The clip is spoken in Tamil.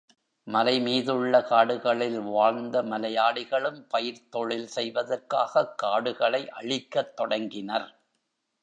மலைமீதுள்ள காடுகளில் வாழ்ந்த மலையாளிகளும் பயிர்த்தொழில் செய்வதற்காகக் காடுகளை அழிக்கத் தொடங்கினர்.